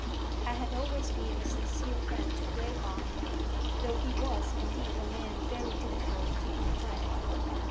I had always been a sincere friend to Graybody, though he was, indeed, a man very difficult to befriend.